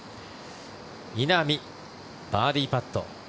稲見、バーディーパット。